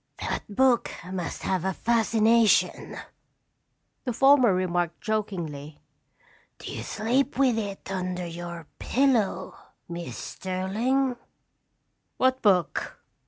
"That book must have a fascination," the former remarked jokingly. "Do you sleep with it under your pillow, Miss Sterling?" "What book?"